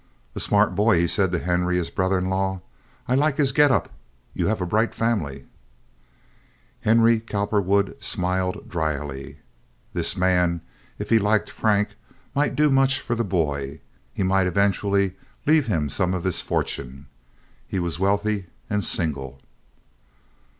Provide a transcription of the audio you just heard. "A smart boy!" he said to Henry, his brother in law. "I like his get up. You have a bright family." Henry Cowperwood smiled dryly. This man, if he liked Frank, might do much for the boy. He might eventually leave him some of his fortune. He was wealthy and single.